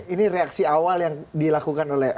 ini reaksi awal yang dilakukan oleh